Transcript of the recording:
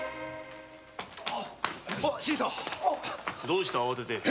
どうした慌てて！？